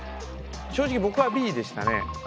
正直僕はＢでしたね。